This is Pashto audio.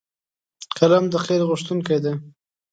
قلم د خیر غوښتونکی دی